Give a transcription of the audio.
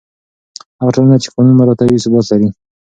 هغه ټولنه چې قانون مراعتوي، ثبات لري.